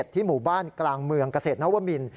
ที่หมู่บ้านกลางเมืองเกษตรนวมิน